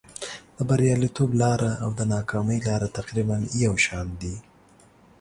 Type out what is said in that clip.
د بریالیتوب لاره او د ناکامۍ لاره تقریبا یو شان دي.